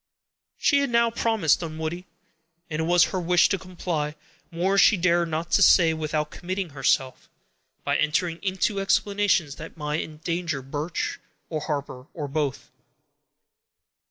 She had now promised Dunwoodie; and it was her wish to comply; more she dare not say without committing herself, by entering into explanations that might endanger Birch, or Harper, or both.